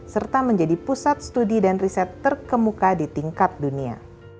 serta menjadi pusat studi dan riset terkemuka di tingkat dunia